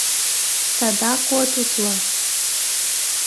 Садак от утло!